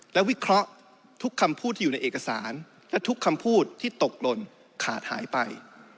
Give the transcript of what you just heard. และวิเคราะห์ทุกคำพูดที่อยู่ในเอกสารและทุกคำพูดที่ตกหล่นขาดหายไป